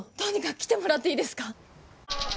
来てもらっていいですか。